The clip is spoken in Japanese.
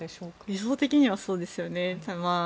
理想的にはそうですよね。